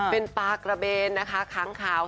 เป็นปลากระเบนนะคะค้างขาว